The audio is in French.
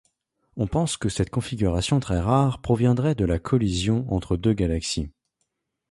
On pense que cette configuration très rare proviendrait de la collision entre deux galaxies.